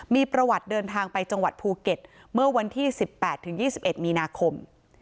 มีประวัติเดินทางไปจังหวัดภูเก็ตเมื่อวันที่๑๘๒๑มีนาคม